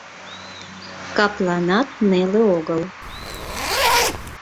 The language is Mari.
Капланат неле огыл.